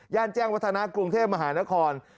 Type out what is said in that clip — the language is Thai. แจ้งวัฒนากรุงเทพมหานคร